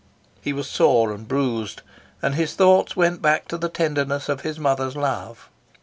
He was sore and bruised, and his thoughts went back to the tenderness of his mother's love.